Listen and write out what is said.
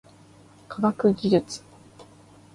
科学技術